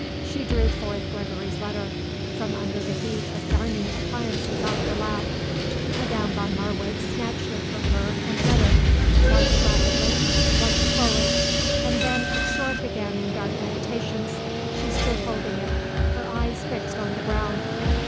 She drew forth Gregory's letter from under the heap of darning appliances on her lap. Madame von Marwitz snatched it from her and read it, once rapidly, once slowly; and then, absorbed again in dark meditations, she stood holding it, her eyes fixed on the ground.